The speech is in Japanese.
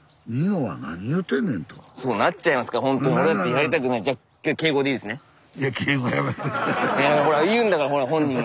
ほら言うんだからほら本人が。